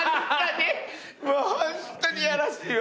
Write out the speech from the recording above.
もうホントにやらしいわ。